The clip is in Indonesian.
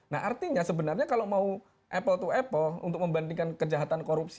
nah artinya sebenarnya kalau mau apple to apple untuk membandingkan kejahatan korupsi